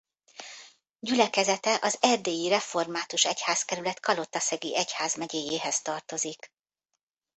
Gyülekezete az erdélyi református egyházkerület kalotaszegi egyházmegyéjéhez tartozik.